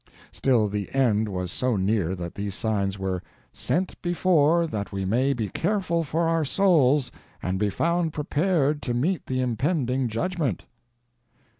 Still, the end was so near that these signs were "sent before that we may be careful for our souls and be found prepared to meet the impending judgment."